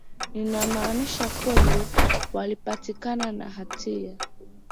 inamaanisha kweli walipatikana na hatia